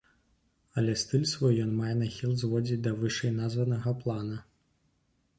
Але стыль свой ён мае нахіл зводзіць да вышэйназванага плана.